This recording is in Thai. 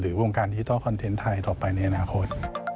ความการที่ต้องคอนเทนต์ไทยต่อไปในอนาคต